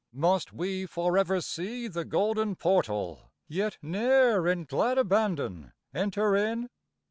Must we for ever see the golden portal Yet ne'er in glad abandon enter in?